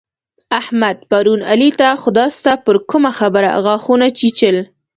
احمد پرون علي ته خداسته پر کومه خبره غاښونه چيچل.